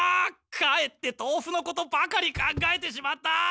かえってとうふのことばかり考えてしまった！